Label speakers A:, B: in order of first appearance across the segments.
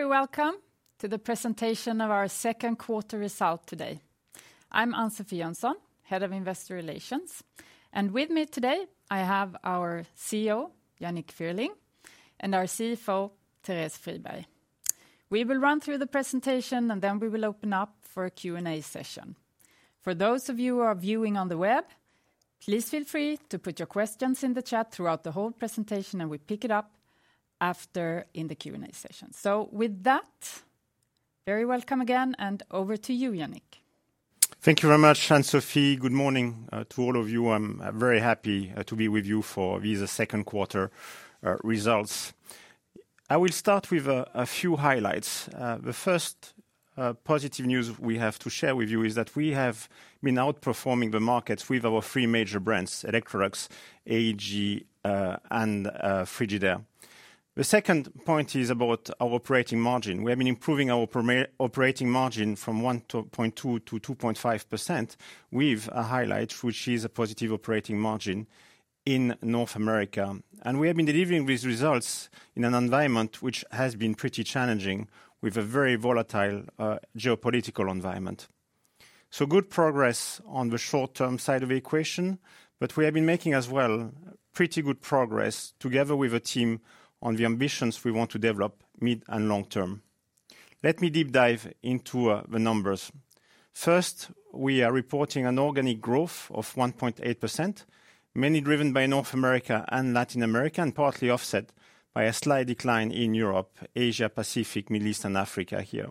A: Very welcome to the presentation of our Second Quarter Result today. I'm Ann-Sofi Jönsson, Head of Investor Relations, and with me today I have our CEO Yannick Fierling and our CFO Therese Friberg. We will run through the presentation and then we will open up for a Q&A session. For those of you who are viewing on the web, please feel free to put your questions in the chat throughout the whole presentation and we pick it up after in the Q&A session. Very welcome again and over to you, Yannick.
B: Thank you very much. Ann-Sofi. Good morning to all of you. I'm very happy to be with you for these second quarter results. I will start with a few highlights. The first positive news we have to share with you is that we have been outperforming the markets with our three major brands, Electrolux, AEG, and Frigidaire. The second point is about our operating margin. We have been improving our operating margin from 1.2% to 2.5% with a highlight which is a positive operating margin in North America. We have been delivering these results in an environment which has been pretty challenging with a very volatile geopolitical environment. Good progress on the short term side of the equation, but we have been making as well pretty good progress together with a team on the ambitions we want to develop mid and long-term. Let me deep dive into the numbers. First, we are reporting an organic growth of 1.8% mainly driven by North America and Latin America and partly offset by a slight decline in Europe, Asia Pacific, Middle East and Africa. Here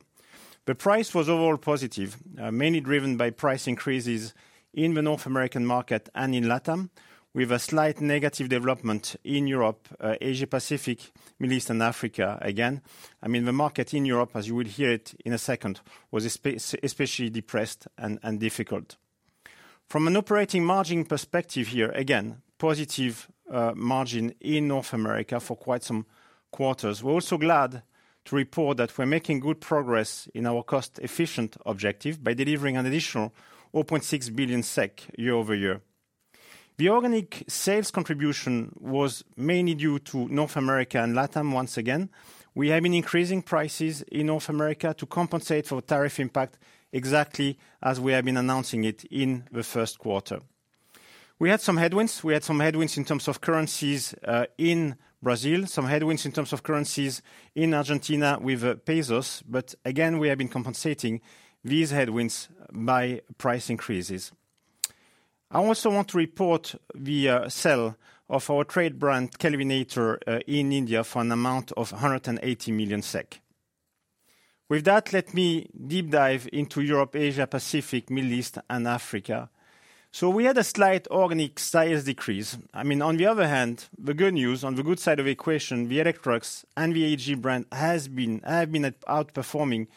B: the price was overall positive, mainly driven by price increases in the North American market and in Latin America with a slight negative development in Europe, Asia Pacific, Middle East and Africa. The market in Europe, as you will hear it in a second, was especially depressed and difficult from an operating margin perspective. Again, positive margin in North America for quite some quarters. We're also glad to report that we're making good progress in our cost efficient objective by delivering an additional 0.6 billion SEK year-over-year. The organic sales contribution was mainly due to North America and LATAM. Once again we have been increasing prices in North America to compensate for tariff impact exactly as we have been announcing it. In the first quarter we had some headwinds. We had some headwinds in terms of currencies in Brazil, some headwinds in terms of currencies in Argentina with pesos. We have been compensating these headwinds by price increases. I also want to report the sale of our trade brand Kelvinator in India for an amount of 180 million SEK. With that let me deep dive into Europe, Asia Pacific, Middle East and Africa. We had a slight organic size decrease. On the other hand, the good news on the good side of the equation, the Electrolux and the AEG brand have been outperforming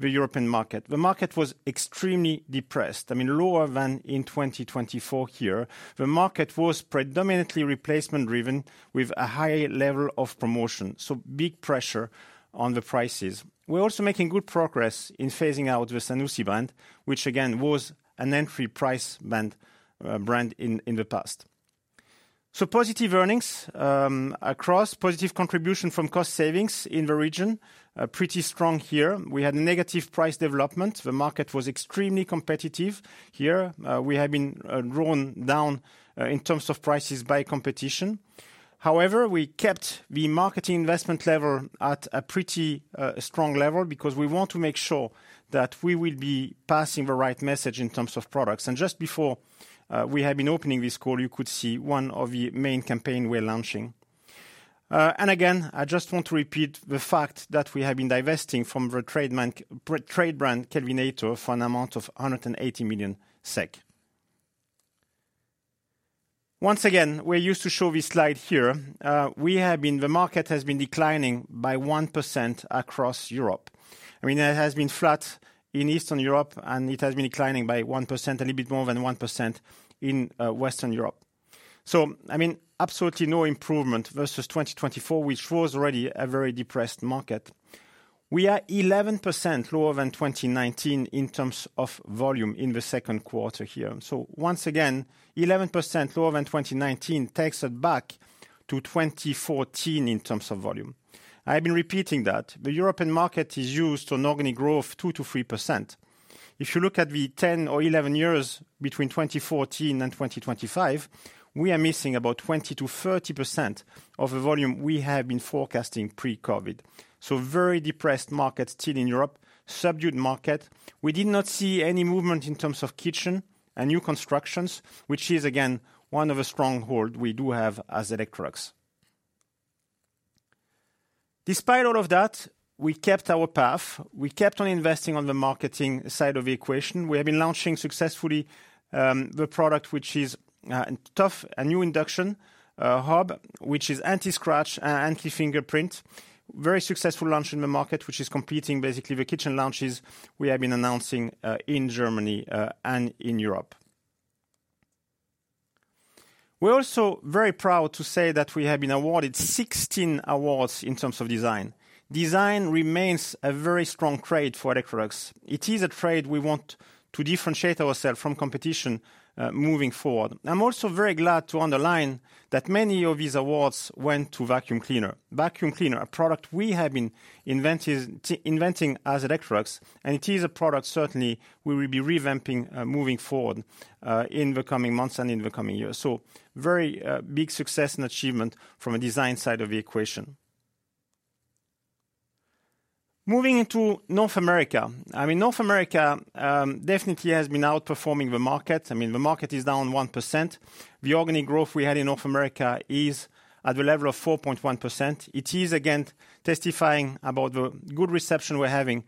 B: the European market. The market was extremely depressed, lower than in 2024. The market was predominantly replacement driven with a high level of promotion, so big pressure on the prices. We're also making good progress in phasing out the Zanussi brand, which again was an entry price brand in the past. Positive earnings across, positive contribution from cost savings in the region, pretty strong here. We had negative price development. The market was extremely competitive here. We have been drawn down in terms of prices by competition. However, we kept the marketing investment level at a pretty strong level because we want to make sure that we will be passing the right message in terms of products. Just before we have been opening this call, you could see one of the main campaigns we're launching. I just want to repeat the fact that we have been divesting from the trade brand Kelvinator for an amount of 180 million SEK. Once again, we used to show this slide here. The market has been declining by 1% across Europe. It has been flat in Eastern Europe, and it has been declining by 1%, a little bit more than 1% in Western Europe. Absolutely no improvement versus 2024, which was already a very depressed market. We are 11% lower than 2019 in terms of volume in the second quarter here. Once 11% lower than 2019 takes it back to 2014 in terms of volume. I've been repeating that the European market is used on organic growth 2 to 3%. If you look at the 10 or 11 years between 2014 and 2025, we are missing about 20 to 30% of the volume we have been forecasting pre-Covid. Very depressed market still in Europe, subdued market. We did not see any movement in terms of kitchen and new constructions, which is again one of the strongholds we do have as Electrolux. Despite all of that, we kept our path, we kept on investing on the marketing side of the equation. We have been launching successfully the product, which is tough, a new induction hob which is anti-scratch, anti-fingerprint. Very successful launch in the market, which is completing basically the kitchen launches we have been announcing in Germany and in Europe. We're also very proud to say that we have been awarded 16 awards in terms of design. Design remains a very strong trait for Electrolux. It is a trait we want to differentiate ourselves from competition moving forward. I'm also very glad to underline that many of these awards went to vacuum cleaners. Vacuum cleaner, a product we have been inventing as Electrolux. It is a product we will be revamping moving forward in the coming months and in the coming years. Very big success and achievement from a design side of the equation. Moving into North America, North America definitely has been outperforming the market. The market is down 1%. The organic growth we had in North America is at the level of 4.1%. It is again testifying about the good reception we're having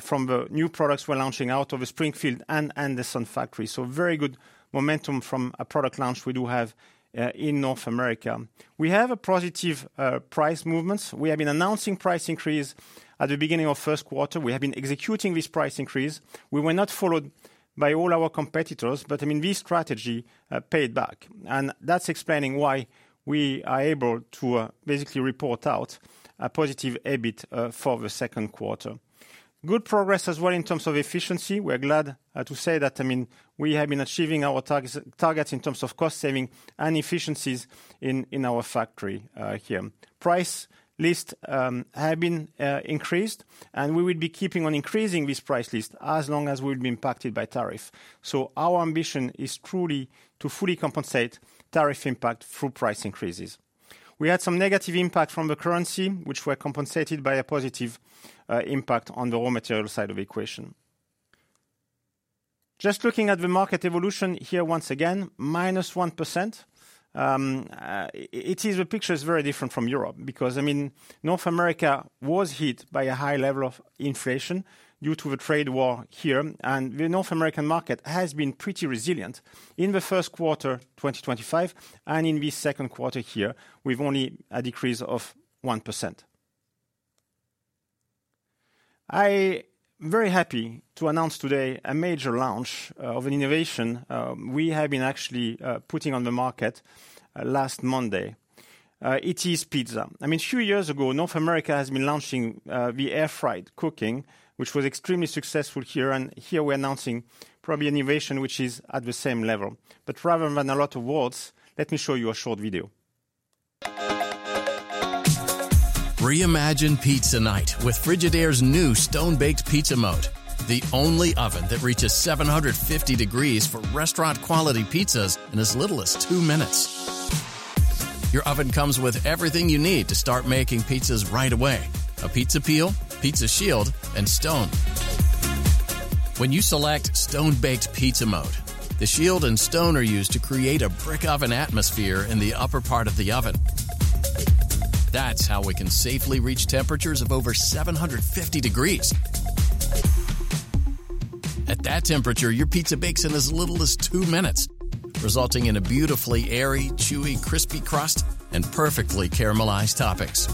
B: from the new products we're launching out of the Springfield and Anderson factory. Very good momentum from a product launch we do have in North America. We have a positive price movement. We have been announcing price increase at the beginning of first quarter. We have been executing this price increase. We were not followed by all our competitors. This strategy paid back and that's explaining why we are able to basically report out a positive EBIT for the second quarter. Good progress as well in terms of efficiency. We're glad to say that we have been achieving our targets in terms of cost saving and efficiencies in our factory here. Price lists have been increased and we will be keeping on increasing this price list as long as we'd be impacted by tariff. Our ambition is truly to fully compensate tariff impact through price increases. We had some negative impact from the currency which were compensated by a positive impact on the raw material side of the equation. Just looking at the market evolution here, once again, -1% is a picture very different from Europe because North America was hit by a high level of inflation due to the trade war here. The North American market has been pretty resilient in the first quarter 2025 and in the second quarter here with only a decrease of 1%. I am very happy to announce today a major launch of an innovation we have been actually putting on the market last Monday. It is pizza. A few years ago North America has been launching the air fried cooking which was extremely successful here. Here we're announcing probably innovation which is at the same level. Rather than a lot of words, let me show you a short video. Reimagine pizza night with Frigidaire's new stone-baked pizza mode. The only oven that reaches 750 degrees for restaurant quality pizzas in as little as two minutes. Your oven comes with everything you need to start making pizzas right away. A pizza peel, pizza shield, and stone. When you select stone-baked pizza mode, the shield and stone are used to create a brick oven atmosphere in the upper part of the oven. That's how we can safely reach temperatures of over 750 degrees. At that temperature, your pizza bakes in as little as two minutes, resulting in a beautifully airy, chewy, crispy crust and perfectly caramelized toppings.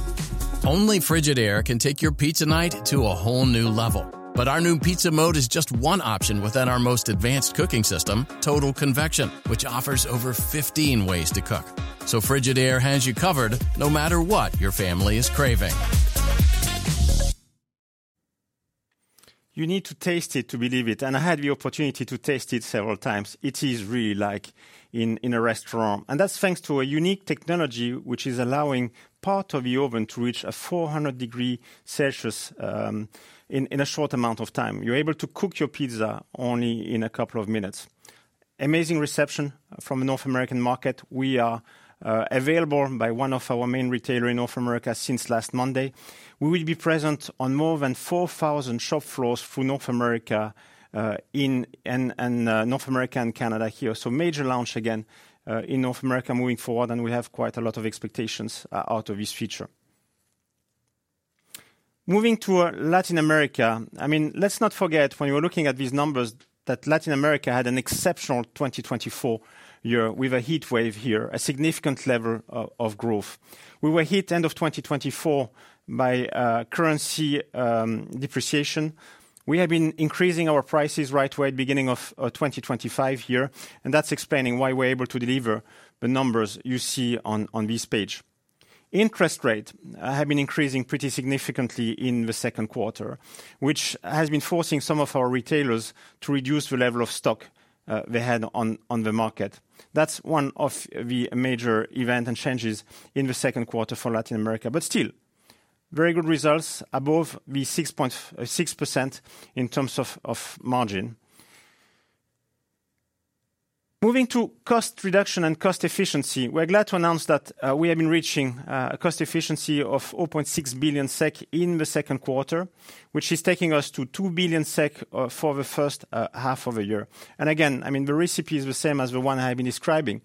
B: Only Frigidaire can take your pizza night to a whole new level. Our new pizza mode is just one option within our most advanced cooking system, Total Convection, which offers over 15 ways to cook. Frigidaire has you covered no matter what your family is craving. You need to taste it to believe it and I had the opportunity to taste it several times. It is really like in a restaurant. That's thanks to a unique technology which is allowing part of the oven to reach 400 degrees Celsius in a short amount of time. You're able to cook your pizza only in a couple of minutes. Amazing reception from the North American market. We are available by one of our main retailers in North America. Since last Monday, we will be present on more than 4,000 shop floors through North America and Canada here. Major launch again in North America moving forward. We have quite a lot of expectations out of this feature. Moving to Latin America, let's not forget when you were looking at these numbers that Latin America had an exceptional 2024 year with a heat wave here, a significant level of growth. We were hit end of 2024 by currency depreciation. We have been increasing our prices right away at the beginning of 2025 and that's explaining why we're able to deliver the numbers you see on this page. Interest rates have been increasing pretty significantly in the second quarter, which has been forcing some of our retailers to reduce the level of stock they had on the market. That's one of the major events and changes in the second quarter for Latin America. Still, very good results above the 6.6% in terms of margin. Moving to cost reduction and cost efficiency, we're glad to announce that we have been reaching a cost efficiency of 0.6 billion SEK in the second quarter, which is taking us to 2 billion SEK for the first half of the year. Again, the recipe is the same as the one I've been describing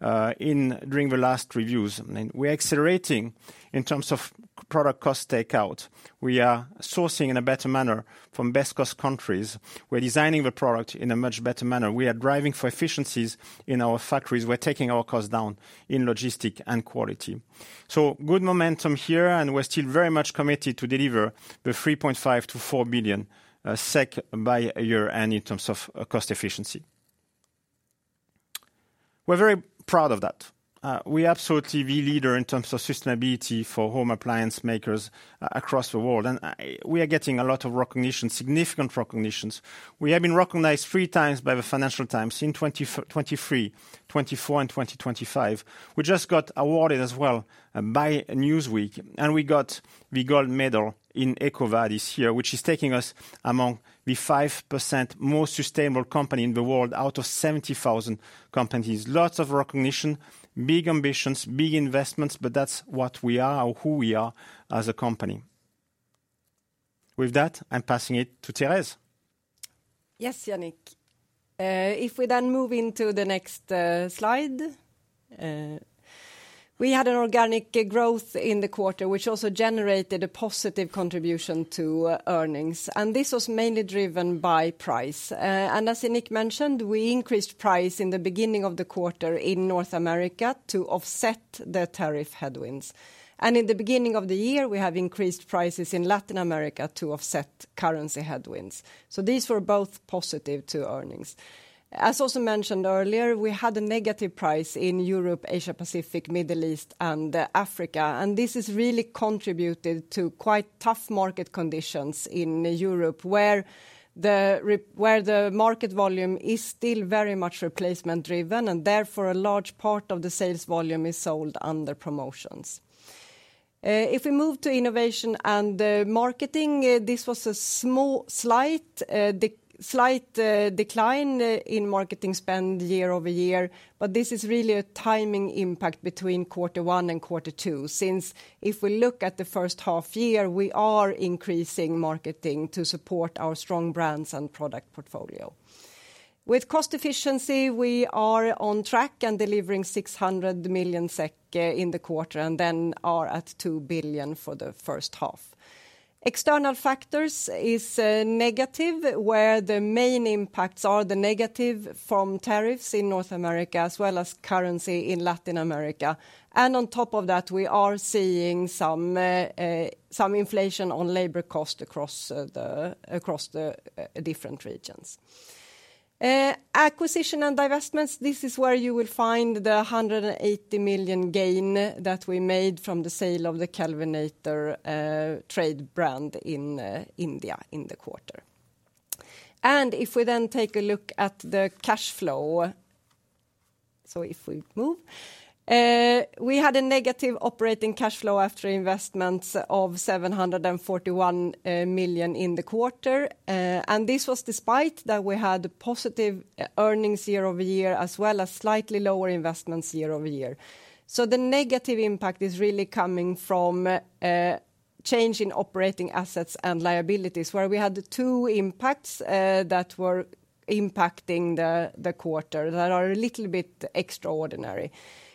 B: during the last reviews. We're accelerating in terms of product cost takeout. We are sourcing in a better manner from best cost countries. We're designing the product in a much better manner. We are driving for efficiencies in our factories. We're taking our U.S. down in logistics and quality. Good momentum here and we're still very much committed to deliver the 3.5 to 4 billion by year end in terms of cost efficiency. We're very proud of that. We are absolutely the leader in terms of sustainability for home appliance makers across the world. We are getting a lot of recognition, significant recognitions. We have been recognized three times by the Financial Times in 2023 and 2025. We just got awarded as well by Newsweek and we got the gold medal in EcoVadis this year, which is taking us among the 5% most sustainable companies in the world out of 70,000 companies. Lots of recognition, big ambitions, big investments. That's what we are or who we are as a company. With that, I'm passing it to Therese.
C: Yes, Yannick. If we then move into the next slide. We had an organic growth in the quarter which also generated a positive contribution to earnings, and this was mainly driven by price. As Yannick mentioned, we increased price in the beginning of the quarter in North America to offset the tariff headwinds. In the beginning of the year, we have increased prices in Latin America to offset currency headwinds. These were both positive to earnings. As also mentioned earlier, we had a negative price in Europe, Asia Pacific, Middle East, and Africa. This has really contributed to quite tough market conditions in Europe where the market volume is still very much replacement driven, and therefore a large part of the sales volume is sold under promotions. If we move to innovation and marketing, this was a slight decline, slight decline in marketing spend year-over-year. This is really a timing impact between quarter one and quarter two, since if we look at the first half year, we are increasing marketing to support our strong brands and product portfolio with cost efficiency. We are on track and delivering 600 million SEK in the quarter and are at 2 billion for the first half. External factors are negative, where the main impacts are the negative from tariffs in North America as well as currency in Latin America. On top of that, we are seeing some inflation on labor cost across the different regions. Acquisition and divestments is where you will find the 180 million gain that we made from the sale of the Kelvinator trade brand in India in the quarter. If we then take a look at the cash flow, we had a negative operating cash flow after investments of 741 million in the quarter. This was despite that we had positive earnings year-over-year as well as slightly lower investments year over year. The negative impact is really coming from change in operating assets and liabilities, where we had two impacts that were impacting the quarter that are a little bit extraordinary,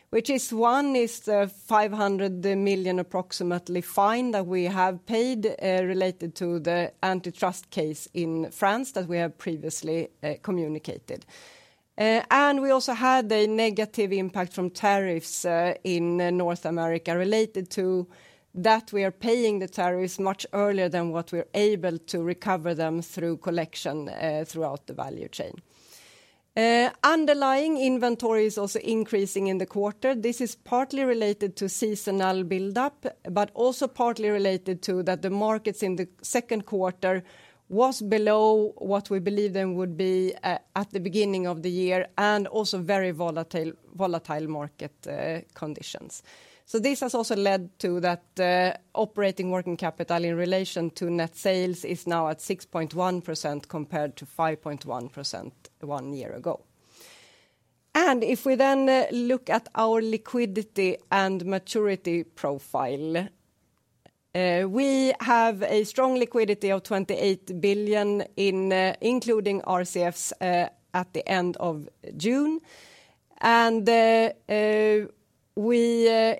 C: which is one is the 500 million approximately fine that we have paid related to the antitrust case in France that we have previously communicated. We also had a negative impact from tariffs in North America related to that. We are paying the tariffs much earlier than what we're able to recover them through collection throughout the value chain. Underlying inventory is also increasing in the quarter. This is partly related to seasonal buildup, but also partly related to that the markets in the second quarter was below what we believe them would be at the beginning of the year, and also very volatile market conditions. This has also led to that operating working capital in relation to net sales is now at 6.1% compared to 5.1% one year ago. If we then look at our liquidity and maturity profile, we have a strong liquidity of 28 billion including RCFs at the end of June, and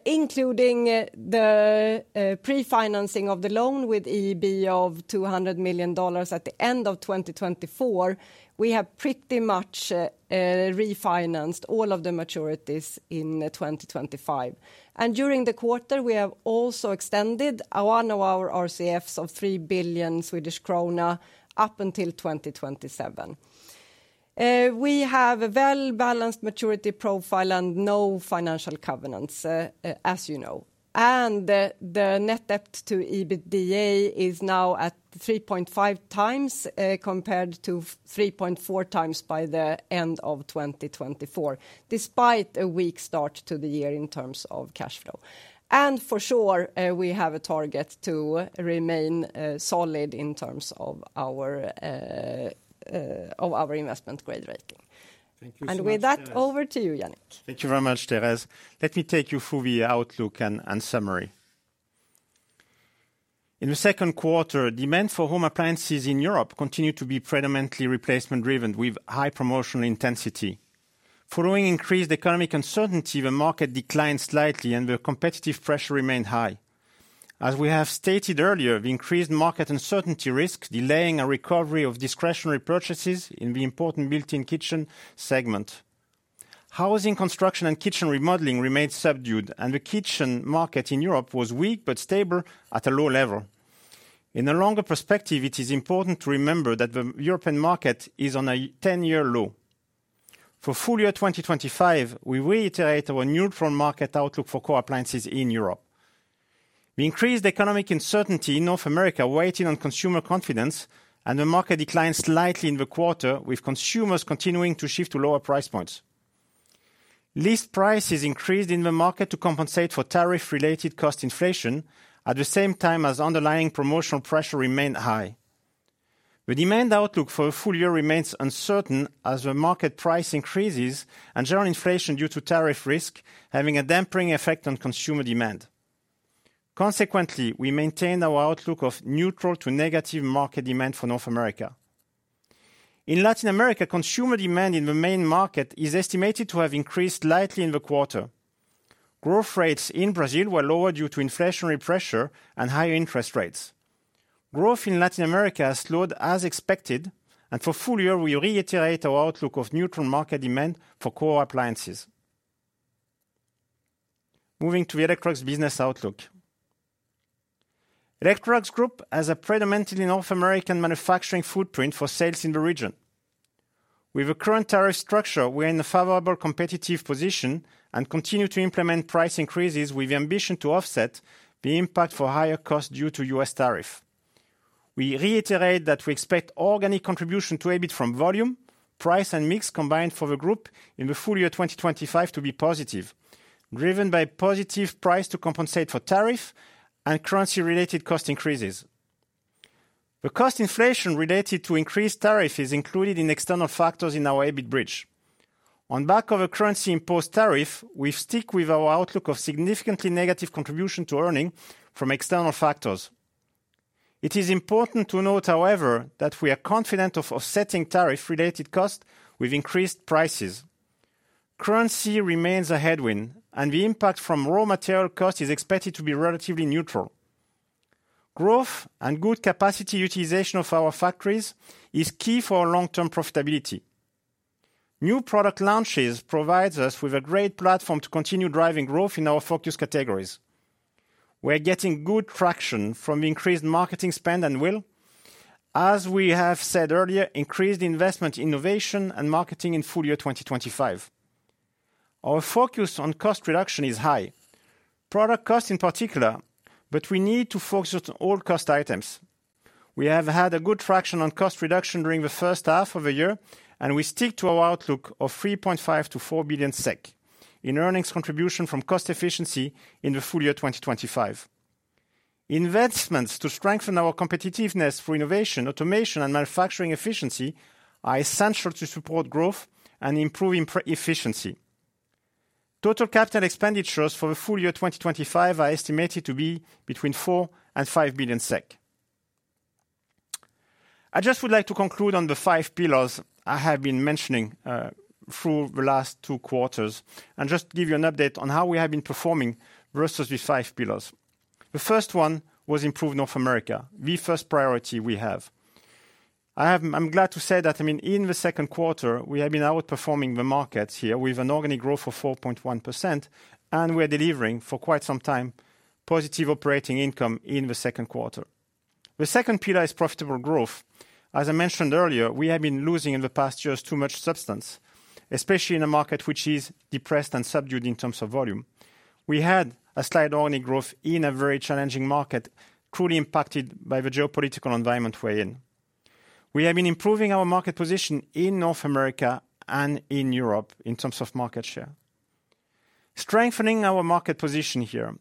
C: including the pre-financing of the loan with EBITDA of $200 million at the end of 2024, we have pretty much refinanced all of the maturities in 2025. During the quarter, we have also extended one of our RCFs of 3 billion Swedish krona up until 2027. We have a well-balanced maturity profile and no financial covenants, as you know. The net debt to EBITDA is now at 3.5, compared to 3.4 times by the end of 2024, despite a weak start to the year in terms of cash flow. We have a target to remain solid in terms of our investment grade rating.
B: Thank you.
C: With that, over to you, Yannick.
B: Thank you very much, Therese. Let me take you through the outlook and summary. In the second quarter, demand for home appliances in Europe continued to be predominantly replacement driven with high promotional intensity following increased economic uncertainty. The market declined slightly, and the competitive pressure remained high. As we have stated earlier, the increased market uncertainty risks delaying a recovery of discretionary purchases in the important built-in kitchen segment. Housing construction and kitchen remodeling remained subdued, and the kitchen market in Europe was weak but stable at a low level. In a longer perspective, it is important to remember that the European market is on a 10-year low. For full year 2025, we reiterate our neutral market outlook for core appliances in Europe. The increased economic uncertainty in North America weighed on consumer confidence, and the market declined slightly in the quarter with consumers continuing to shift to lower price points. List prices increased in the market to compensate for tariff-related cost inflation at the same time as underlying promotional pressure remained. The demand outlook for the full year remains uncertain as the market price increases and general inflation due to tariff risk have a dampening effect on consumer demand. Consequently, we maintain our outlook of neutral to negative market demand for North America. In Latin America, consumer demand in the main market is estimated to have increased slightly in the quarter. Growth rates in Brazil were lower due to inflationary pressure and higher interest rates. Growth in Latin America slowed as expected, and for full year we reiterate our outlook of neutral market demand for core appliances. Moving to Electrolux business outlook, Electrolux Group has a predominantly North American manufacturing footprint for sales in the region. With the current tariff structure, we are in a favorable competitive position and continue to implement price increases with the ambition to offset the impact of higher costs due to U.S. tariff. We reiterate that we expect organic contribution to EBIT from volume, price, and mix combined for the group in the full year 2025 to be positive, driven by positive price to compensate for tariff and currency-related cost increases. The cost inflation related to increased tariff is included in external factors in our EBIT bridge on back of a currency-imposed tariff. We stick with our outlook of significantly negative contribution to earnings from external factors. It is important to note, however, that we are confident of offsetting tariff-related costs with increased prices. Currency remains a headwind, and the impact from raw material cost is expected to be relatively neutral. Growth and good capacity utilization of our factories is key for long-term profitability. New product launches provide us with a great platform to continue driving growth in our focus categories. We are getting good traction from the increased marketing spend and will, as we have said earlier, increase investment, innovation, and marketing in full year 2025. Our focus on cost reduction is high, product cost in particular, but we need to focus on all cost items. We have had a good traction on cost reduction during the first half of the year, and we stick to our outlook of 3.5 to 4 billion in earnings contribution from cost efficiency in the full year 2025. Investments to strengthen our competitiveness for innovation, automation, and manufacturing efficiency are essential to support growth and improving efficiency. Total capital expenditures for the full year 2025 are estimated to be between 4 and 5 billion. I just would like to conclude on the five pillars I have been mentioning through the last two quarters and just give you an update on how we have been performing versus the five pillars. The first one was improve North America. The first priority we have, I'm glad to say that, I mean in the second quarter we have been outperforming the markets here with an organic growth of 4.1% and we are delivering for quite some time positive operating income in the second quarter. The second pillar is profitable growth. As I mentioned earlier, we have been losing in the past years too much substance, especially in a market which is depressed and subdued in terms of volume. We had a slight oily growth in a very challenging market truly impacted by the geopolitical environment we're in. We have been improving our market position in North America and in Europe in terms of market share, strengthening our market position here.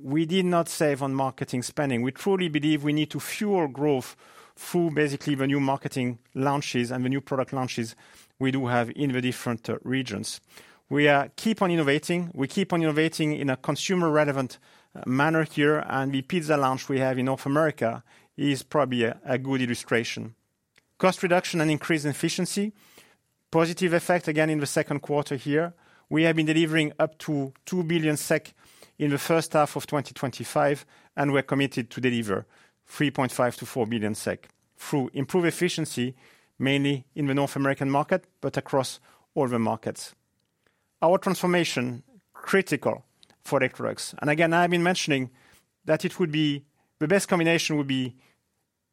B: We did not save on marketing spending. We truly believe we need to fuel growth through basically the new marketing launches and the new product launches we do have in the different regions. We keep on innovating, we keep on innovating in a consumer-relevant manner here. The pizza launch we have in North America is probably a good illustration. Cost reduction and increase in efficiency had a positive effect again in the second quarter here. We have been delivering up to 2 billion SEK in the first half of 2020, and we're committed to deliver 3.5 to 4 billion through improved efficiency, mainly in the North American market, but across all the markets. Our transformation is critical for Electrolux, and again, I've been mentioning that the best combination would be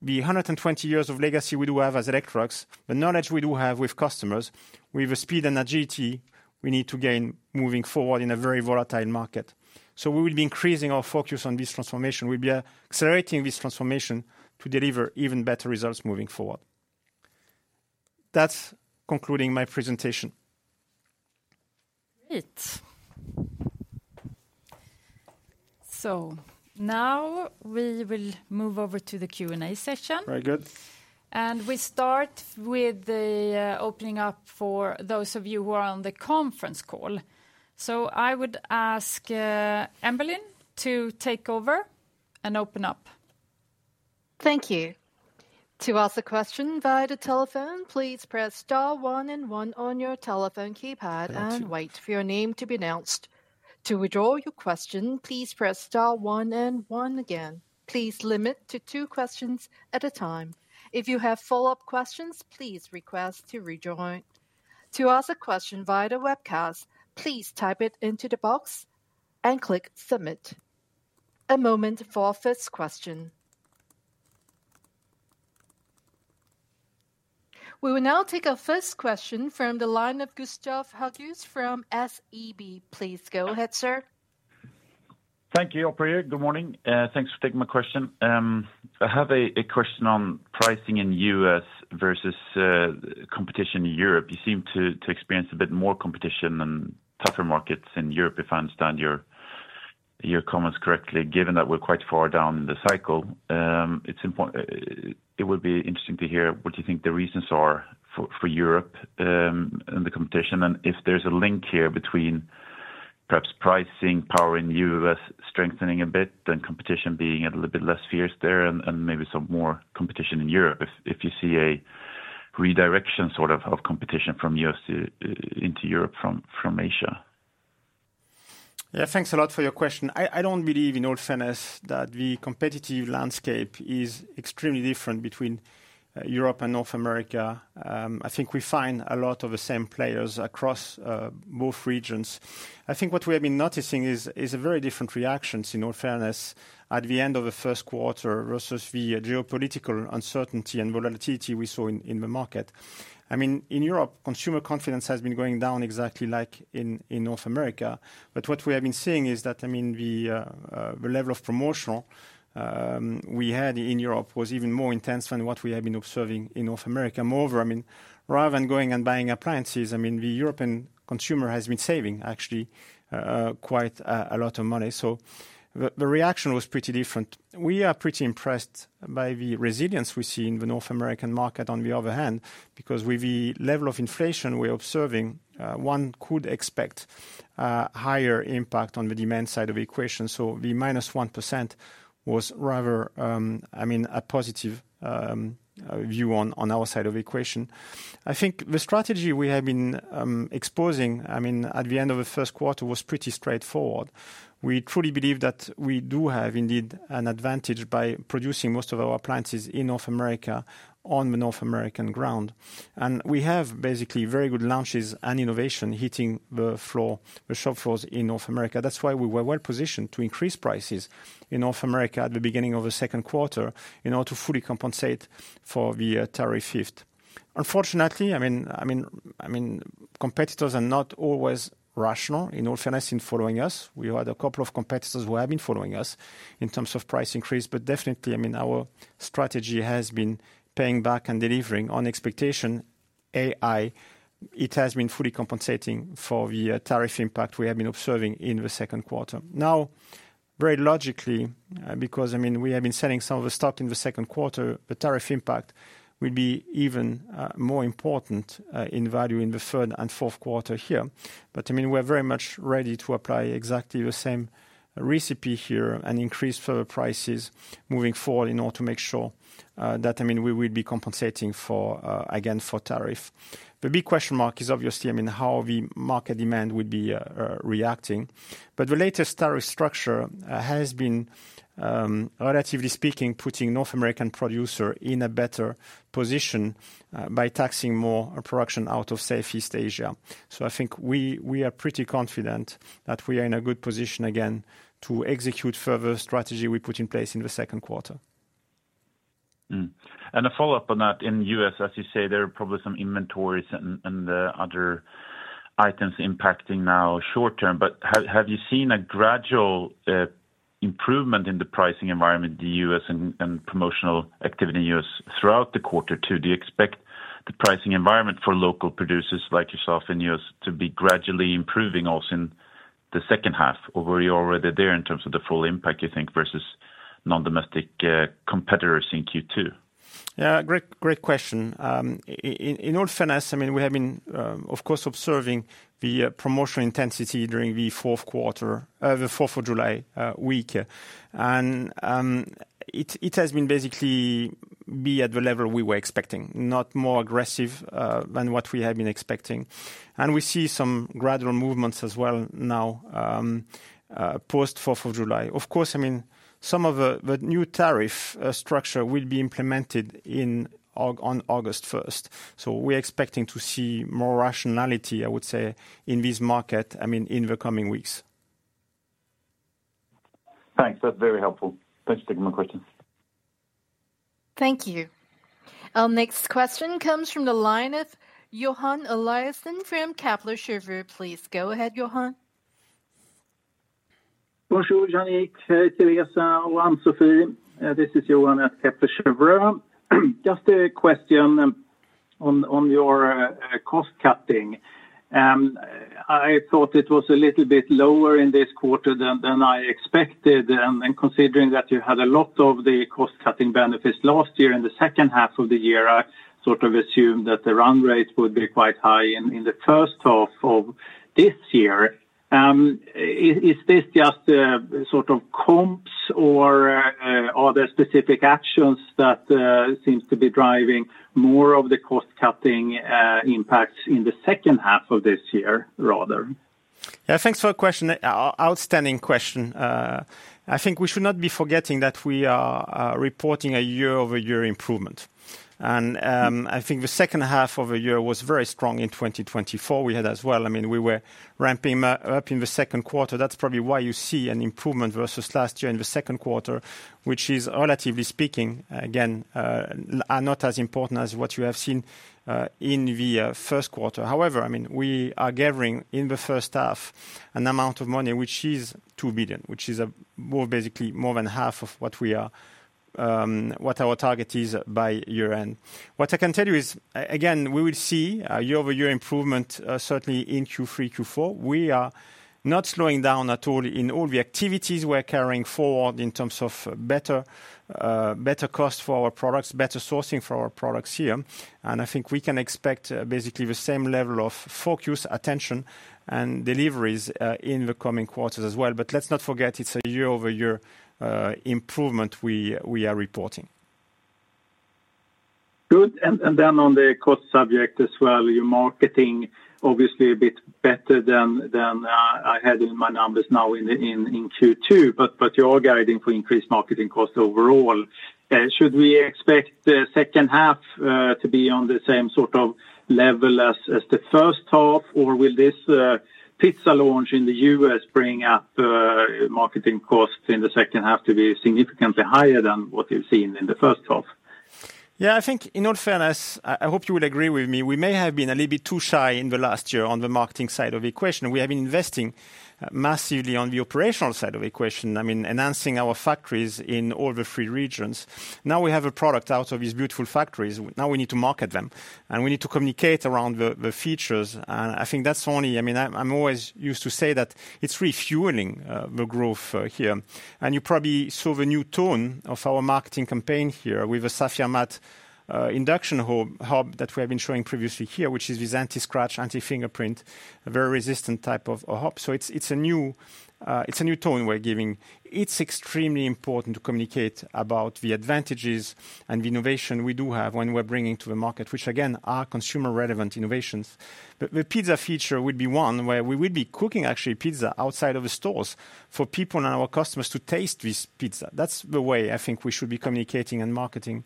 B: the 120 years of legacy we do have as Electrolux, the knowledge we do have with customers, with the speed and agility we need to gain moving forward in a very volatile market. We will be increasing our focus on this transformation. We'll be accelerating this transformation to deliver even better results moving forward. That's concluding my presentation.
A: We will move over to the Q and A session.
B: Very good.
A: We start with the opening up for those of you who are on the conference call. I would ask Emberlyn to take over and open up.
D: Thank you. To ask a question via the telephone, please press star one and one on your telephone keypad and wait for your name to be announced. To withdraw your question, please press star one and one. Again, please limit to two questions at a time. If you have follow up questions, please request to rejoin. To ask a question via the webcast, please type it into the box and click Submit. A moment for first question. We will now take our first question from the line of Gustav Hageus from SEB. Please go ahead, sir.
E: Thank you, Operator. Good morning. Thanks for taking my question. I have a question on pricing in the U.S. versus competition in Europe. You seem to experience a bit more competition and tougher markets in Europe, if I understand your comments correctly. Given that we're quite far down in the cycle, it would be interesting to hear what you think the reasons are for Europe and the competition. If there's a link here between perhaps pricing power in the U.S. strengthening a bit and competition being a little bit less fierce there, and maybe some more competition in Europe. If you see a redirection of competition from the U.S. into Europe, from Asia.
B: Yeah, thanks a lot for your question. I don't believe in all fairness that the competitive landscape is extremely different between Europe and North America. I think we find a lot of the same players across both regions. What we have been noticing is a very different reaction, in all fairness, at the end of the first quarter versus the geopolitical uncertainty and volatility we saw in the market. In Europe, consumer confidence has been going down exactly like in North America. What we have been seeing is that the level of promotion we had in Europe was even more intense than what we had been observing in North America. Moreover, rather than going and buying appliances, the European consumer has been saving actually quite a lot of money. The reaction was pretty different. We are pretty impressed by the resilience we see in the North American market. On the other hand, with the level of inflation we're observing, one could expect higher impact on the demand side of the equation. The minus 1% was rather a positive view on our side of the equation. I think the strategy we have been exposing at the end of the first quarter was pretty straightforward. We truly believe that we do have indeed an advantage by producing most of our appliances in North America on the North American ground. We have very good launches and innovation hitting the shop floors in North America. That's why we were-well positioned to increase prices in North America at the beginning of the second quarter in order to fully compensate for the tariff shift. Unfortunately, competitors are not always rational. In all fairness, in following us, we had a couple of competitors who have been following us in terms of price increase. Definitely our strategy has been paying back and delivering on expectation. It has been fully compensating for the tariff impact we have been observing in the second quarter. Now, very logically, because we have been selling some of the stocks in the second quarter, the tariff impact will be even more important in value in the third and fourth quarter here. We are very much ready to apply exactly the same recipe here and increase further prices moving forward in order to make sure that we will be compensating again for tariff. The big question mark is obviously how the market demand would be reacting. The latest tariff structure has been relatively speaking, putting North American producers in a better position by taxing more production out of Southeast Asia. I think we are pretty confident that we are in a good position again to execute further strategy we put in place in the second quarter.
E: A follow-up on that in the U.S., as you say, there are probably some inventories and other items impacting now short term. Have you seen a gradual improvement in the pricing environment in the U.S. and promotional activity in the U.S. throughout the quarter too? Do you expect the pricing environment for local producers like yourself and us to be gradually improving also in the second half, or were you already there in terms of the full impact you think, versus non-domestic competitors in Q2?
B: Yeah, great question. In all fairness, we have been of course observing the promotional intensity during the fourth quarter, the Fourth of July week, and it has been basically at the level we were expecting, not more aggressive than what we had been expecting. We see some gradual movements as well now post Fourth of July. Of course, some of the new tariff structure will be implemented on August 1st, so we're expecting to see more rationality, I would say, in this market in the coming weeks.
E: Thanks, that's very helpful. Thanks for taking my questions.
D: Thank you. Our next question comes from the line of Johan Eliason from Kepler Cheuvreux. Please go ahead Johan.
F: Bonjour Yannick, Therese, Ann-Sofi. This is Johan Eliason, Kepler Cheuvreux. Just a question on your cost cutting. I thought it was a little bit lower in this quarter than I expected, and considering that you had a lot of the cost cutting benefits last year in the second half of the year, I sort of assumed that the run rate would be quite high in the first half of this year. Is this just sort of comps, or are there specific actions that seem to be driving more of the cost cutting impacts in the second half of this year rather?
B: Yeah, thanks for the question. Outstanding question. I think we should not be forgetting that we are reporting a year-over-year improvement, and I think the second half of the year was very strong in 2024. We had as well, I mean, we were ramping up in the second quarter. That's probably why you see an improvement versus last year in the second quarter, which is, relatively speaking, again, not as important as what you have seen in the first quarter. However, we are gathering in the first half an amount of which is 2 billion, which is basically more than half of what our target is by year-end. What I can tell you is, again, we will see year over year improvement certainly in Q3, Q4. We are not slowing down at all in all the activities we're carrying forward in terms of better cost for our products, better sourcing for our products here. I think we can expect basically the same level of focus, attention, and deliveries in the coming quarters as well. Let's not forget it's a year over year improvement we are reporting.
F: On the cost subject as well, your marketing obviously a bit better than I had in my numbers now in Q2, but you are guiding for increased marketing cost overall. Should we expect the second half to be on the same sort of level as the first half, or with this pizza launch in the U.S. bringing up marketing costs in the second half to be significantly higher than what you've seen in the first half?
B: Yeah, I think in all fairness, I hope you will agree with me, we may have been a little bit too shy in the last year on the marketing side of the equation. We have been investing massively on the operational side of the equation. I mean enhancing our factories in all the three regions. Now we have a product out of these beautiful factories. Now we need to market them, and we need to communicate around the features. I think that's only. I'm always used to say that it's refueling the growth here, and you probably saw the new tone of our marketing campaign here with a SaphirMatt induction hob that we have been showing previously here, which is this anti-scratch, anti-fingerprint, a very resistant type of hob. It's a new tone we're giving. It's extremely important to communicate about the advantages and the innovation we do have when we're bringing to the market, which again are consumer relevant innovations. The pizza feature would be one where we would be cooking actually pizza outside of the stores for people, customers to taste this pizza. That's the way I think we should be communicating and marketing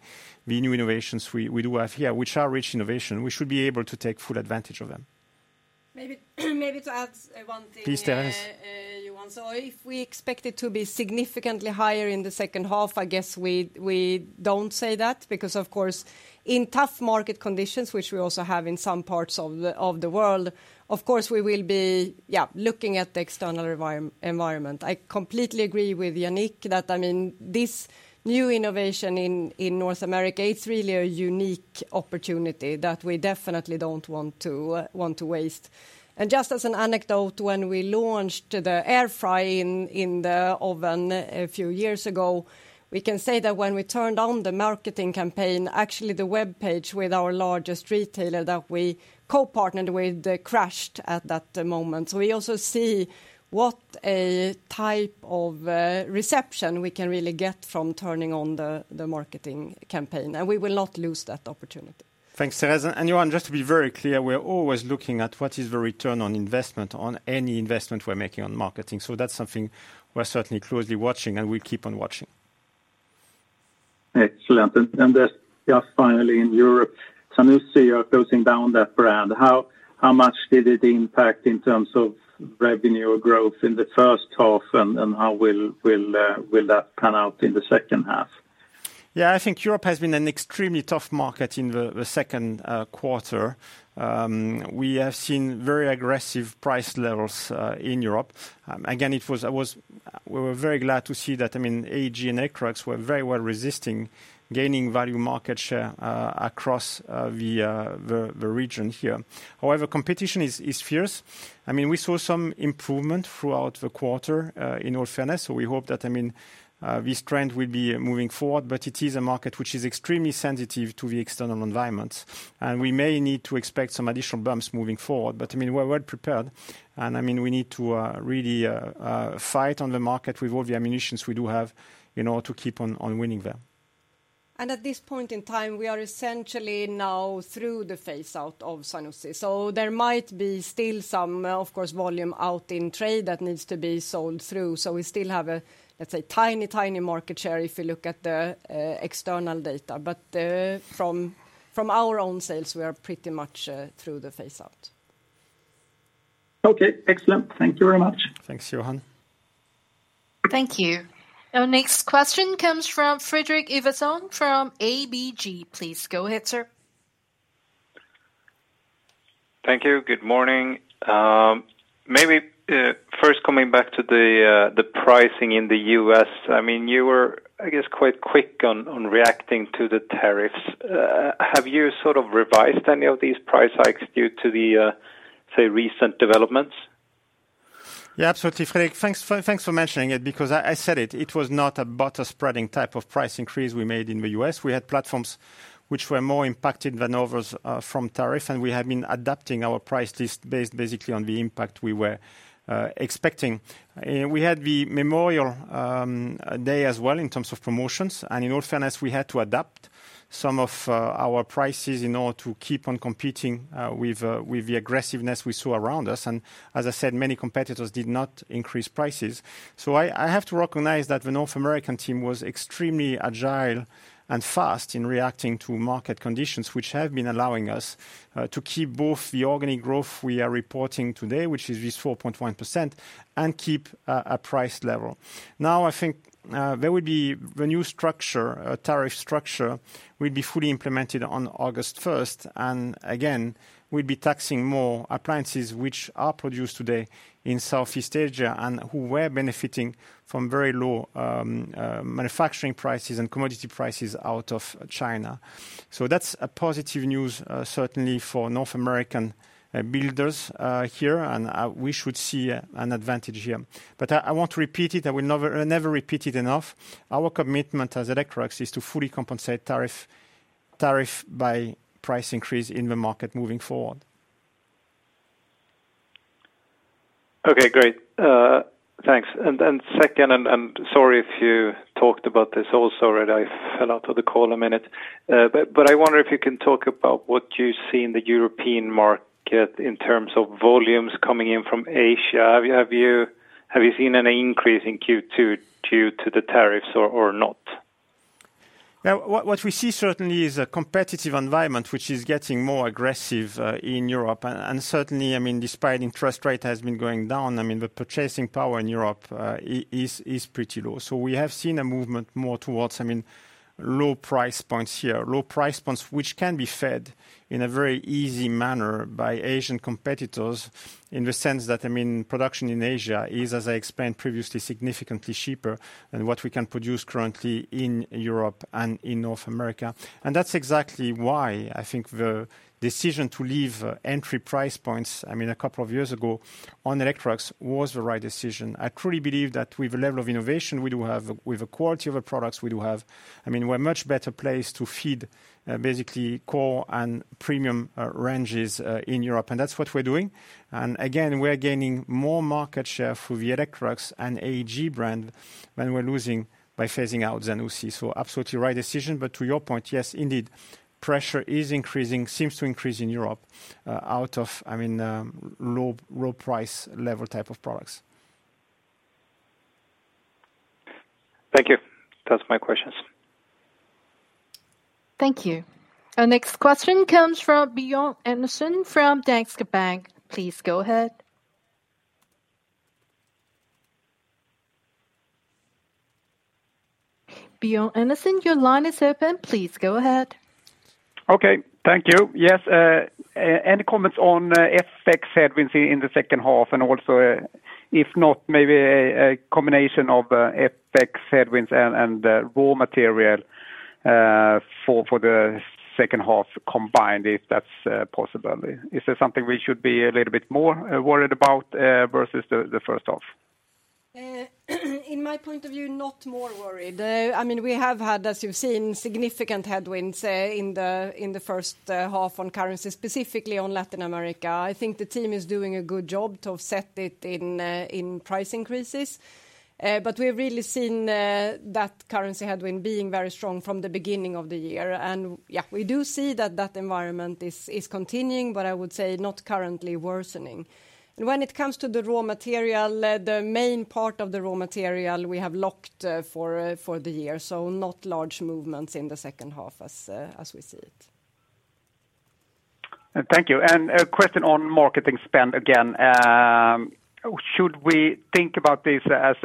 B: the new innovations we do have here, which are rich innovation. We should be able to take full advantage of them.
C: Maybe to add one thing, please tell us if we expect it to be significantly higher in the second half. I guess we don't say that because of course in tough market conditions, which we also have in some parts of the world, we will be looking at the external environment. I completely agree with Yannick Fierling that this new innovation in North America is really a unique opportunity that we definitely don't want to waste. Just as an anecdote, when we launched the air fry in the oven a few years ago, we can say that when we turned on the marketing campaign, the webpage with our largest retailer that we co-partnered with crashed at that moment. We also see what a type of reception we can really get from turning on the marketing campaign and we will not lose that opportunity.
B: Thanks, Therese and Johan. Just to be very clear, we're always looking at what is the return on investment on any investment we're making on marketing. That's something we're certainly closely watching, and we keep on watching.
F: Excellent. Just finally in Europe, can you see you're closing down that brand? How much did it impact in terms of revenue or growth in the first half, and how will it allow in the second half?
B: Yeah, I think Europe has been an extremely tough market in the second quarter. We have seen very aggressive price levels in Europe. Again, we were very glad to see that. I mean, AEG and Electrolux were very well resisting, gaining value market share across the region here. However, competition is fierce. We saw some improvement throughout the quarter, in all fairness. We hope that this trend will be moving forward. It is a market which is extremely sensitive to the external environment and we may need to expect some additional bumps moving forward. We're well prepared and we need to really fight on the market with all the ammunitions we do have in order to keep on winning there.
C: At this point in time, we are essentially now through the phase out of Zanussi. There might be still some, of course, volume out in trade that needs to be sold through. We still have a, let's say, tiny, tiny market share if you look at the external data. From our own sales, we are pretty much through the phase out.
F: Okay, excellent. Thank you very much.
B: Thanks, Johan.
D: Thank you. Our next question comes from Frederick Evason from ABG. Please go ahead, sir.
G: Thank you. Good morning. Maybe first coming back to the pricing in the U.S., I mean, you were, I guess, quite quick on reacting to the tariffs. Have you sort of revised any of these price hikes due to the, say, recent developments?
B: Yeah, absolutely, Fred, thanks for mentioning it because I said it, it was not a butter spreading type of price increase we made in the U.S. We had platforms which were more impacted than others from tariff. We have been adapting our price list basically based on the impact we were expecting. We had the Memorial Day as well in terms of promotions. In all fairness, we had to adapt some of our prices in order to keep on competing with the aggressiveness we saw around us. As I said, many competitors did not increase prices. I have to recognize that the North American team was extremely agile and fast in reacting to market conditions, which have been allowing us to keep both the organic growth we are reporting today, which is this 4.1%, and keep a price level. I think the new tariff structure will be fully implemented on August 1. Again, we will be taxing more appliances which are produced today in Southeast Asia and which were benefiting from very low manufacturing prices and commodity prices out of China. That is positive news certainly for North American builders here, and we should see an advantage here. I won't repeat it, I will never repeat it enough. Our commitment as Electrolux is to fully compensate tariff by price increase in the market moving forward.
G: Okay, great, thanks. Second, and sorry if you talked about this also, I fell out of the call a minute. I wonder if you can talk about what you see in the European market in terms of volumes coming in from Asia. Have you seen any increase in Q2 due to the tariffs or not?
B: Now what we see certainly is a competitive environment which is getting more aggressive in Europe, and certainly despite interest rates having been going down, the purchasing power in Europe is pretty low. We have seen a movement more towards low price points here, low price points which can be fed in a very easy manner by Asian competitors in the sense that production in Asia is, as I explained previously, significant, significantly cheaper than what we can produce currently in Europe and in North America. That's exactly why I think the decision to leave entry price points, I mean a couple of years ago on Electrolux, was the right decision. I truly believe that with the level of innovation we do have, with the quality of the products we do have, we're much better placed to feed basically core and premium ranges in Europe. That's what we're doing. Again, we're gaining more market share through the Electrolux and AEG brand than we're losing by phasing out Zanussi. Absolutely right decision. To your point, yes indeed, pressure is increasing, seems to increase in Europe out of, I mean, low price level type of products.
G: Thank you. That's my questions.
D: Thank you. Our next question comes from Bjorn Enarson from Danske Bank. Please go ahead. Bjorn Enarson, your line is open. Please go ahead.
H: Okay, thank you. Yes, any comments on FX headwinds we see in the second half, and also if not, maybe a combination of FX headwinds and raw material for the second half combined, if that's possible. Is there something we should be a little bit more worried about versus the. First half
C: in my point of. Not more worried. I mean, we have had, as you've seen, significant headwinds in the first half on currency, specifically on Latin America. I think the team is doing a good job to offset it in price increases. We've really seen that currency headwind being very strong from the beginning of the year. Yeah, we do see that that environment is continuing. I would say not currently worsening when it comes to the raw material. The main part of the raw material we have locked for the year, so not large movements in the second half as we see it.
H: Thank you. A question on marketing spend again, should we think about this as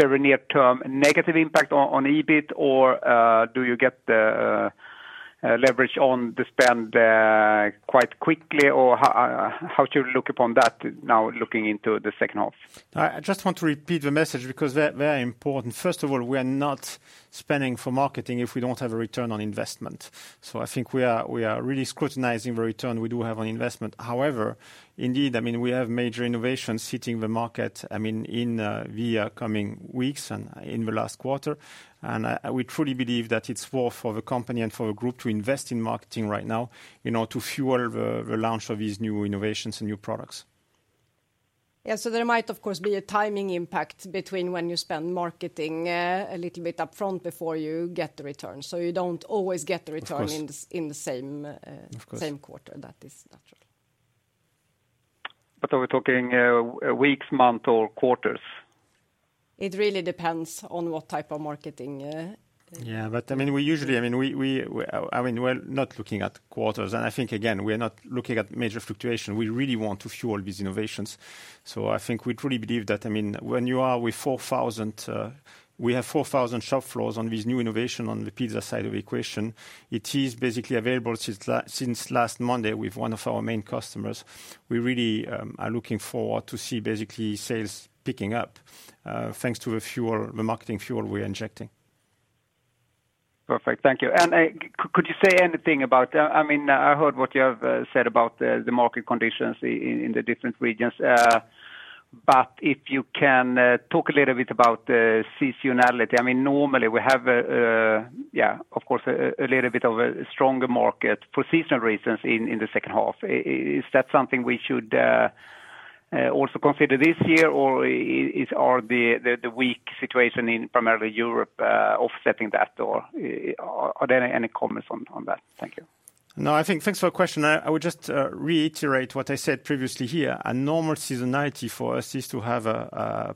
H: very near term negative impact on EBIT or do you get the leverage on the spend quite quickly or how to look upon that? Now, looking into the second half,
B: I. Just want to repeat the message because, first of all, we are not spending for marketing if we don't have a return on investment. I think we are really scrutinizing the return we do have on investment. However, indeed we have major innovations hitting the market in the coming weeks and in the last quarter, and we truly believe that it's worth for the company and for the group to invest in marketing right now to fuel the launch of these new innovations and new products.
C: Yeah, there might of course be a timing impact between when you spend marketing a little bit upfront before you get the return. You don't always get the return in the same quarter. That is natural.
H: Are we talking weeks, months or quarters?
C: It really depends on what type of marketing.
B: We usually, we're not looking at quarters and I think again, we're not looking at major fluctuation. We really want to fuel these innovations. I think we truly believe that. When you are with 4,000, we have 4,000 shop floors on this new innovation. On the pizza side of the equation, it is basically available since last Monday with one of our main customers. We really are looking forward to see basically sales picking up thanks to the fuel, the marketing fuel we are injecting.
H: Perfect, thank you. Could you say anything about, I mean, I heard what you have said about the market conditions in the different regions, but if you can talk a little bit about the seasonality? I mean, normally we have, of course, a little bit of a stronger market for seasonal reasons in the second half. Is that something we should also consider this year? Are the weak situation in primarily Europe offsetting that? Are there any comments on that? Thank you.
B: No, I think. Thanks for the question. I would just reiterate what I said previously here. A normal seasonality for us is to have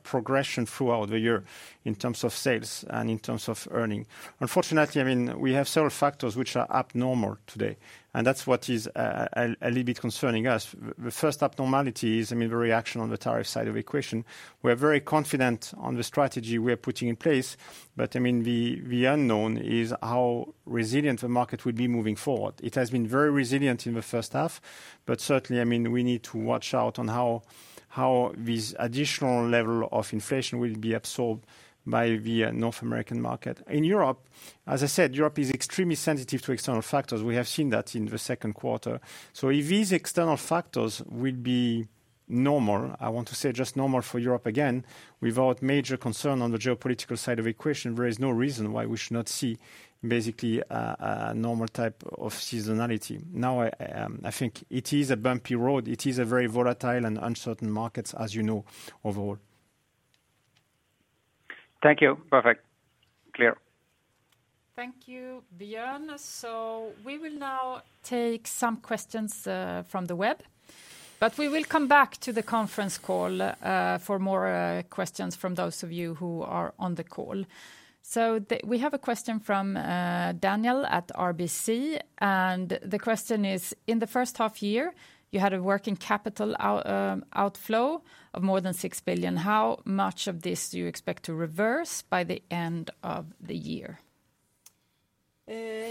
B: progression throughout the year in terms of sales and in terms of earning. Unfortunately, we have several factors which are abnormal today, and that's what is a little bit concerning us. The first abnormality is the reaction on the tariff side of the equation. We're very confident on the strategy we are putting in place. The unknown is how resilient the market will be moving forward. It has been very resilient in the first half, but certainly, we need to watch out on how these additional level of inflation will be absorbed by the North American market in Europe. As I said, Europe is extremely sensitive to external factors. We have seen that in the second quarter. If these external factors will be normal, I want to say just normal for Europe, again, without major concern on the geopolitical side of the equation, there is no reason why we should not see basically a normal type of seasonality now. I think it is a bumpy road. It is a very volatile and uncertain markets, as you know, overall.
H: Thank you. Perfect.
A: Thank you, Bjorn. We will now take some questions from the web, but we will come back to the conference call for more questions from those of you who are on the call. We have a question from Daniel at RBC and the question is, in the first half year you had a working capital outflow of more than 6 billion. How much of this do you expect to reverse by the end of the year?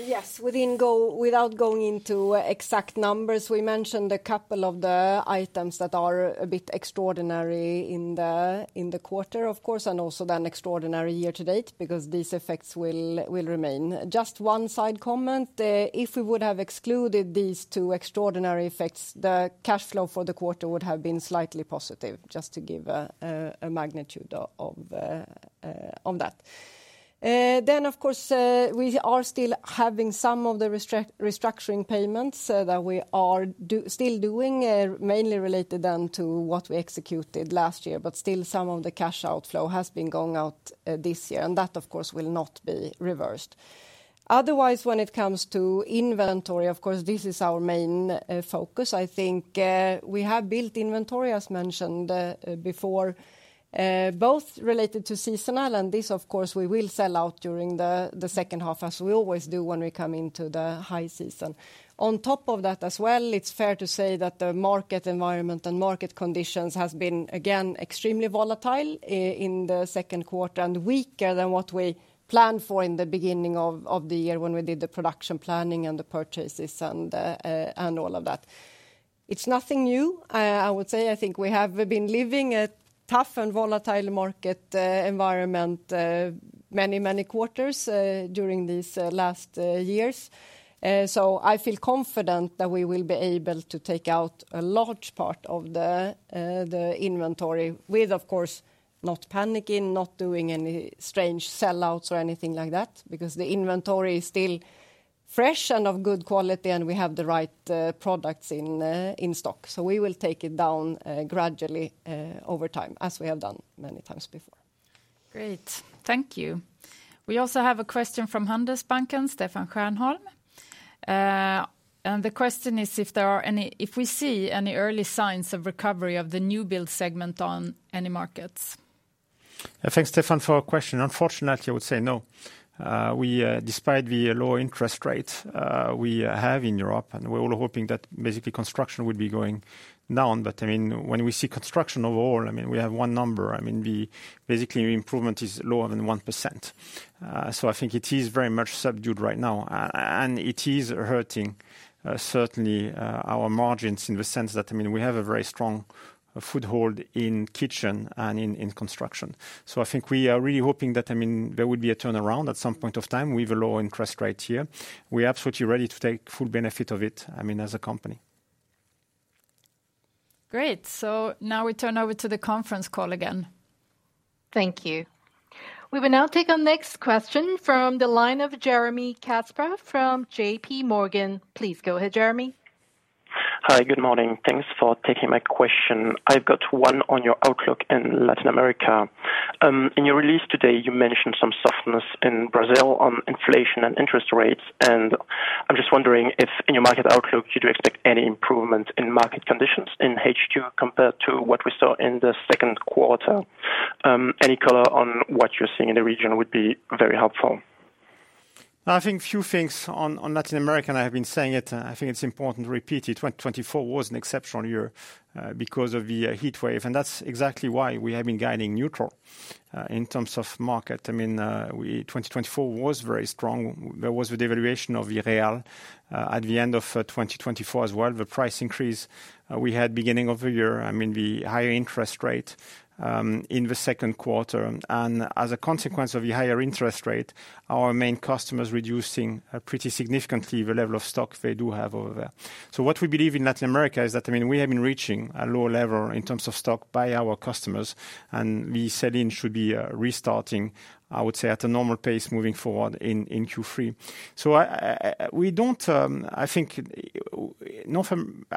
C: Yes, without going into exact numbers, we mentioned a couple of the items that are a bit extraordinary in the quarter, of course, and also then extraordinary year to date because these effects will remain. Just one side comment, if we would have excluded these two extraordinary effects, the cash flow for the quarter would have been slightly positive, just to give a magnitude on that. Of course, we are still having some of the restructuring payments that we are still doing, mainly related then to what we executed last year. Still, some of the cash outflow has been going out this year and that, of course, will not be reversed otherwise. When it comes to inventory, of course, this is our main focus. I think we have built inventory, as mentioned before, both related to seasonal and this, of course, we will sell out during the second half as we always do when we come into the high season. On top of that as well, it's fair to say that the market environment and market conditions have been, again, extremely volatile in the second quarter and weaker than what we planned for in the beginning of the year when we did the production planning and the purchases and all of that. It's nothing new, I would say. I think we have been living a tough and volatile market environment many, many quarters during these last years. I feel confident that we will be able to take out a large part of the inventory with, of course, not panicking, not doing any strange sellouts or anything like that, because the inventory is still fresh and of good quality and we have the right products in stock. We will take it down gradually over time as we have done many times before.
A: Great, thank you. We also have a question from Handelsbanken Stefan Granholm, and the question is if there are any, if we see any early signs of recovery of the new build segment on any markets.
B: Thanks, Stefan, for a question. Unfortunately, I would say no, despite the low interest rate we have in Europe. We're all hoping that basically construction would be going down. When we see construction overall, we have one number, the basically improvement is lower than 1%. I think it is very much subdued right now and it is hurting certainly our margins in the sense that we have a very strong foothold in kitchen and in construction. I think we are really hoping that there would be a turnaround at some point of time with a low interest rate here. We are absolutely ready to take full benefit of it, at least as a company.
A: Great. Now we turn over to the conference call again.
D: Thank you. We will now take our next question from the line of Jeremy Caspar from J.P. Morgan. Please go ahead. Jeremy,
I: hi, good morning. Thanks for taking my question. I've got one on your outlook in Latin America. In your release today, you mentioned some softness in Brazil on inflation and interest rates. I'm just wondering if in your market outlook you do expect any improvement in market conditions, conditions in HQ compared to what we saw in the second quarter. Any color on what you're seeing in. The region would be very helpful.
B: I think few things on Latin America and I have been saying it, I think it's important to repeat. 2024 was an exceptional year because of the heat wave, and that's exactly why we have been guiding neutral in terms of market. I mean, 2024 was very strong. There was a devaluation of the real at the end of 2024 as well. The price increase we had beginning of the year, I mean the higher interest rate in the second quarter, and as a consequence of the higher interest rate, our main customers reducing pretty significantly the level of stock they do have over there. What we believe in Latin America is that, I mean, we have been reaching a lower level in terms of stock by our customers, and the sell in should be restarting, I would say, at a normal pace moving forward in Q3. I think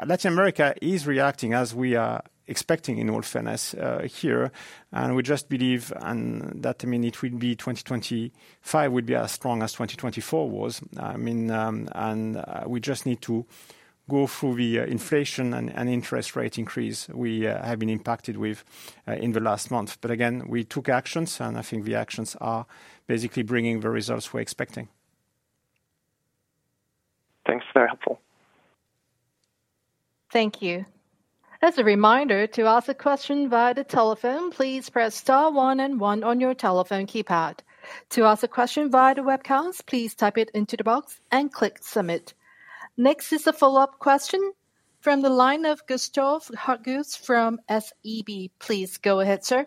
B: Latin America is reacting as well. We are expecting in all fairness here, and we just believe that it will be 2025 would be as strong as 2024 was, and we just need to go through the inflation and interest rate increase we have been impacted with in the last month. Again, we took actions, and I think the actions are basically bringing the results we're expecting.
I: Thanks, very helpful.
D: Thank you. As a reminder, to ask a question via the telephone, please press star one and one on your telephone keypad. To ask a question via the webcast, please type it into the box and click Submit. Next is a follow-up question from the line of Gustav Hageus from SEB. Please go ahead, sir.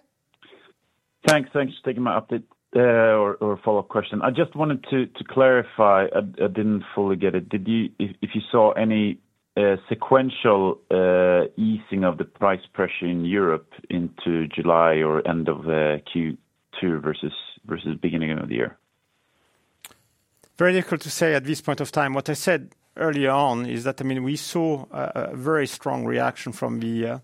E: Thanks. Thanks for taking my update or follow up question. I just wanted to clarify, I didn't fully get it if you saw any sequential easing of the price pressure in Europe into July or end of Q2 versus beginning of the year.
B: Very difficult to say at this point of time. What I said early on is that, I mean we saw a very strong reaction from the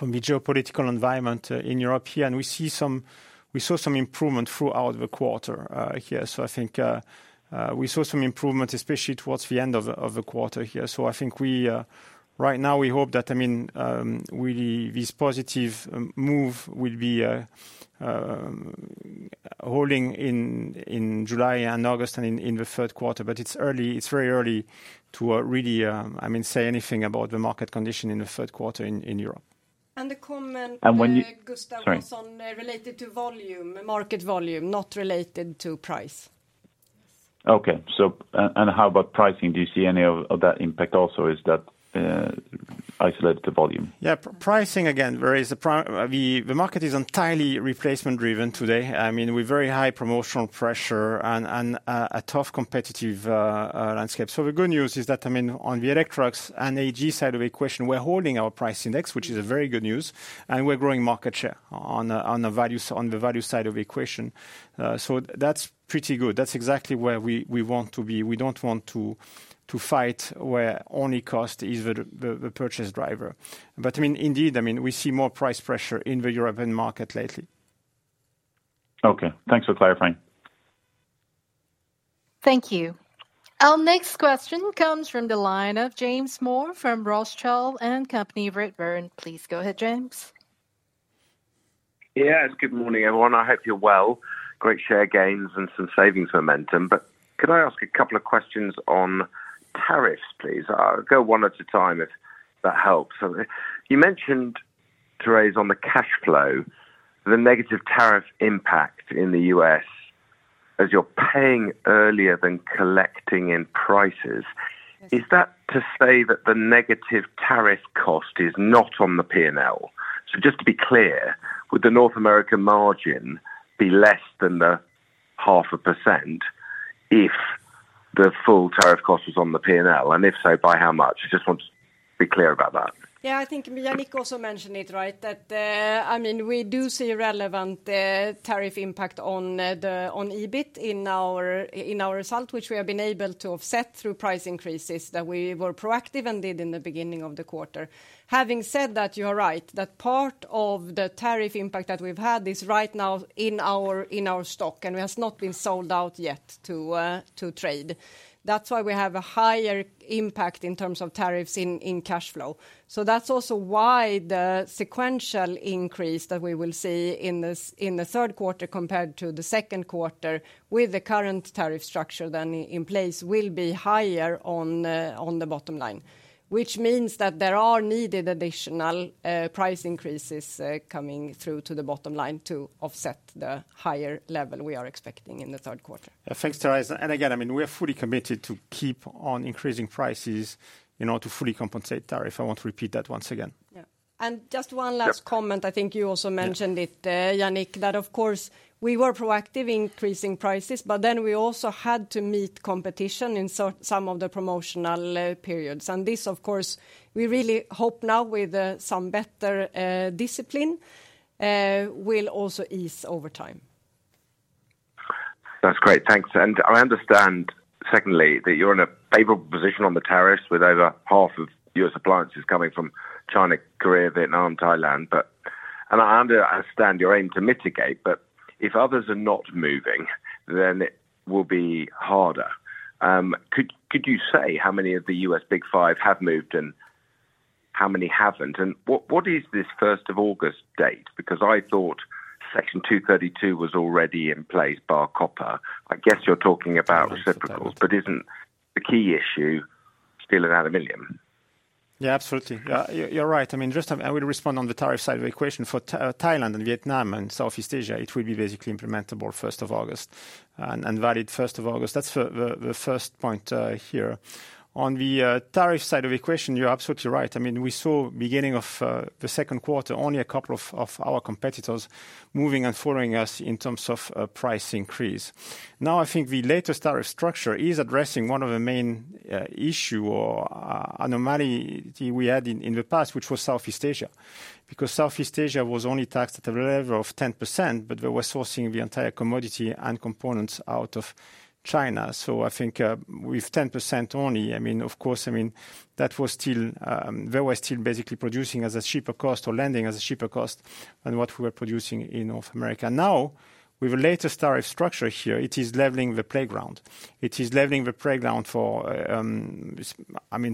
B: geopolitical environment in Europe here, and we saw some improvement throughout the quarter here. I think we saw some improvement especially towards the end of the quarter here. Right now we hope that, I mean this positive move will be holding in July and August and in the third quarter. It's very early to really say anything about the market condition in the third quarter in Europe.
C: The comment Gustav is on is related to volume. Market volume, not related to price.
E: Okay, how about pricing? Do you see any of that impact also? Is that isolated to the volume?
B: Yeah, pricing again, the market is entirely replacement driven today. I mean, with very high promotional pressure and a tough competitive landscape. The good news is that, I mean, on the electronics and AEG side of the equation, we're holding our price index, which is very good news, and we're growing market share on the value side of the equation. That's pretty good. That's exactly where we want to be. We don't want to fight where only cost is the purchase driver. I mean, indeed, we see more price pressure in the European market lately.
E: Okay, thanks for clarifying.
D: Thank you. Our next question comes from the line of James Moore from Rothschild & Co Redburn. Please go ahead, James.
J: Yes, good morning everyone. I hope you're well. Great share gains and some savings momentum. Could I ask a couple of questions on tariffs, please? I'll go one at a time if that helps. You mentioned, Therese, on the cash flow, the negative tariff impact in the U.S. as you're paying earlier than collecting in prices. Is that to say that the negative tariff cost is not on the P&L? Just to be clear, would the North American margin be less than the half a percent if the full tariff cost is on the P&L, and if so, by how much? I just want to be clear about that.
C: Yeah, I think Yannick also mentioned it right. I mean, we do see relevant tariff impact on EBIT in our result, which we have been able to offset through price increases that we were proactive and did in the beginning of the quarter. Having said that, you are right that part of the tariff impact that we've had is right now in our stock and has not been sold out yet to trade. That's why we have a higher impact in terms of tariffs in cash flow. That's also why the sequential increase that we will see in the third quarter compared to the second quarter with the current tariff structure in place will be higher on the bottom line, which means that there are needed additional price increases coming through to the bottom line to offset the higher level we are expecting in the third quarter.
B: Thanks, Therese. We are fully committed to keep on increasing prices in order to fully compensate tariff. I want to repeat that once again.
C: Just one last comment. I think you also mentioned it, Yannick, that of course we were proactive increasing prices, but then we also had to meet competition in some of the promotional periods. This, of course, we really hope now with some better discipline will also ease over time.
J: That's great. Thanks. I understand secondly that you're in a favorable position on the tariffs with over half of U.S. appliances coming from China, Korea, Vietnam, Thailand. I understand your aim to mitigate, but if others are not moving then it will be harder. Could you say how many of the U.S. Big Five have moved and how many haven't? What is this 1st of August date? I thought Section 232 was already in place. Bar copper, I guess you're talking about reciprocals. Isn't the key issue stilling out a million?
B: Yeah, absolutely, you're right. I will respond on the tariff side of the equation for Thailand and Vietnam and Southeast Asia. It will be basically implementable 1st of August and valid 1st of August. That's the first point here on the tariff side of the equation. You're absolutely right. We saw beginning of the second quarter only a couple of our competitors moving and following us in terms of price increase. Now I think the latest tariff structure is addressing one of the main issues or anomalies we had in the past, which was Southeast Asia because Southeast Asia was only taxed at a level of 10% but they were sourcing the entire commodity and components out of China. With 10% only, that was still basically producing at a cheaper cost or landing at a cheaper cost than what we were producing in North America. Now with a later tariff structure here it is leveling the playground. It is leveling the playground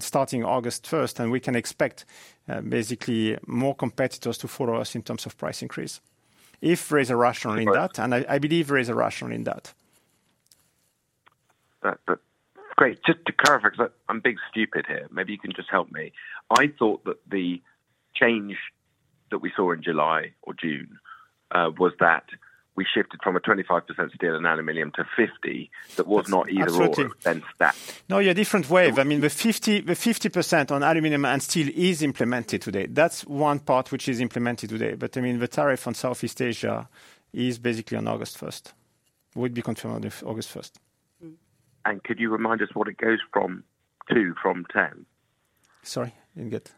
B: starting August 1 and we can expect basically more competitors to follow us in terms of price increase if there is a rational in that. I believe there is a rational in that.
J: Great. Just to clarify because I'm being stupid here, maybe you can just help me. I thought that the change that we saw in July or June was that we shifted from a 25% steel and aluminum to 50%. That was not either or then stat.
B: No, yeah, different wave. I mean the 50% on aluminum and steel is implemented today. That's one part which is implemented today. I mean the tariff on Southeast Asia is basically on August 1st, would be confirmed on August 1st.
J: Could you remind us what it goes from to, from 10.
B: Sorry. Good.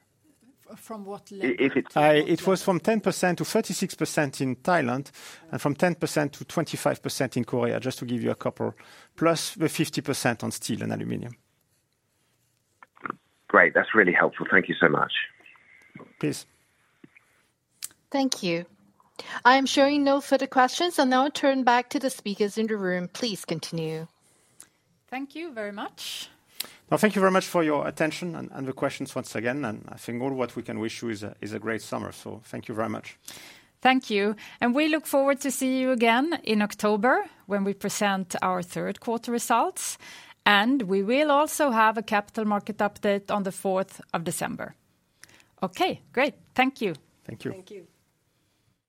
C: From what level?
B: It was from 10% to 36% in Thailand and from 10% to 25% in Korea, just to give you a couple. Plus the 50% on steel and aluminum.
J: Great, that's really helpful. Thank you so much.
B: Please.
D: Thank you. I am sharing. No further questions. Now turn back to the speakers in the room. Please continue.
A: Thank you very much.
B: Thank you very much for your attention and the questions once again. I think all what we can wish you is a great summer. Thank you very much.
C: Thank you. We look forward to see you again in October when we present our third quarter results. We will also have a capital market update on the 4th of December. Okay, great. Thank you.
B: Thank you,
A: thank you.